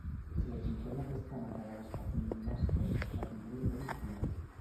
Si agitem aquesta mata de les papilionàcies la tindrem ben crua.